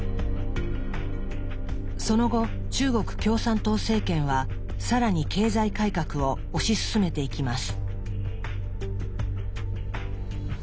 その後中国共産党政権は更に経済改革を推し進めていきます。